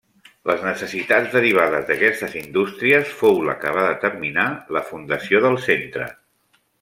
Les necessitats derivades d'aquestes indústries fou la que va determinar la fundació del centre.